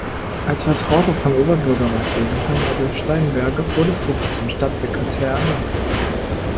Als Vertrauter von Oberbürgermeister Johann Adolph Steinberger wurde Fuchs zum Stadtsekretär ernannt.